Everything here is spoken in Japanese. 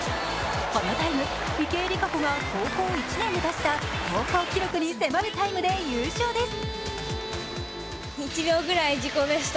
このタイム、池江璃花子が高校１年で出した高校記録に迫るタイムで優勝です。